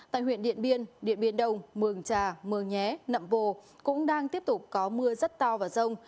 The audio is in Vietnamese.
tại huyện điện biên điện biên đông mường trà mường nhé nậm bồ cũng đang tiếp tục có mưa rất to và rông